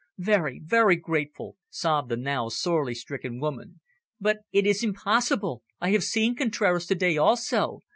"Very, very grateful," sobbed the now sorely stricken woman. "But it is impossible. I have seen Contraras to day also.